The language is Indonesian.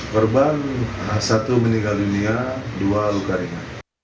korban satu meninggal dunia dua luka ringan